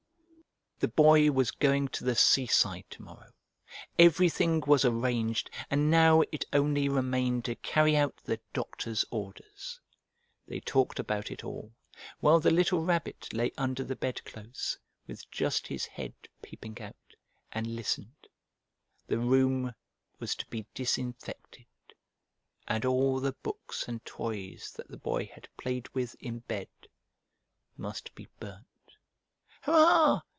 The Boy was going to the seaside to morrow. Everything was arranged, and now it only remained to carry out the doctor's orders. They talked about it all, while the little Rabbit lay under the bedclothes, with just his head peeping out, and listened. The room was to be disinfected, and all the books and toys that the Boy had played with in bed must be burnt. "Hurrah!"